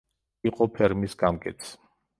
იყო ფერმის გამგეც.